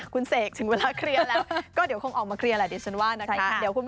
คุณเสกถึงเวลาเคลียร์แล้วก็เดี๋ยวคงออกมาเคลียร์แหละดิฉันว่านะคะ